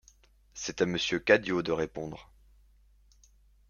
C'est à Monsieur Cadio de répondre.